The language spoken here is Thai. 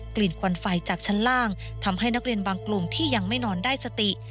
กลิ่นควันไฟจากชั้นล่างทำให้นักเรียนบางกลุ่มที่ยังไม่นอนได้สติ